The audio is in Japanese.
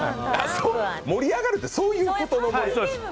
盛り上がるってそういうこと？